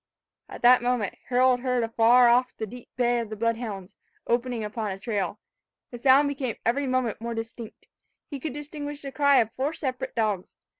At that moment, Harold heard afar off the deep bay of the blood hounds, opening upon a trail. The sound became every moment more distinct. He could distinguish the cry of four separate dogs.